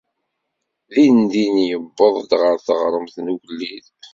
Din-din yuweḍ-d ɣer teɣremt n ugellid.